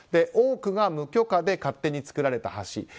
多くが無許可で勝手に造られた橋。